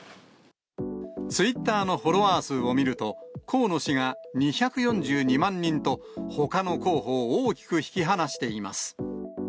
ツイッターのフォロワー数を見ると、河野氏が２４２万人とほかの候補を大きく引き離しています。